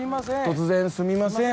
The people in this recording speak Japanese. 突然すみません。